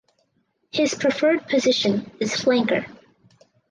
His preferred position is flanker.